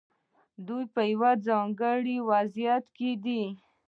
دوی په یو ځانګړي وضعیت کې دي.